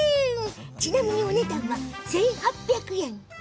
ちなみにお値段は１８００円。